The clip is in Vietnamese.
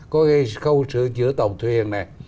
có câu sửa chữa tàu thuyền này